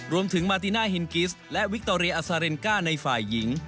รวมถึงมาติน่าฮินกิสและวิคโตเรียอาซาเรนก้าในฝ่ายหญิง